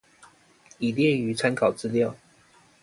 已列於參考資料